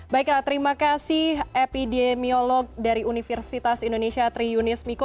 baiklah terima kasih epidemiolog dari universitas indonesia triunis miko